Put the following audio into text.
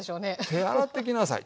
「手洗ってきなさい」。